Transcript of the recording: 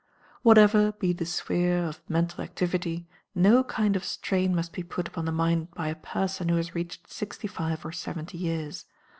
Whatever be the sphere of mental activity, no kind of strain must be put upon the mind by a person who has reached sixty five or seventy years.